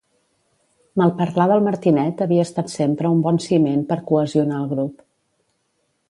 Malparlar del Martinet havia estat sempre un bon ciment per cohesionar el grup.